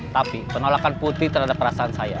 tapi penolakan putih terhadap perasaan saya